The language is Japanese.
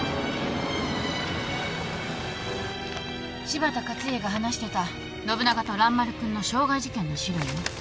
柴田勝家が話してた信長と蘭丸君の傷害事件の資料よ。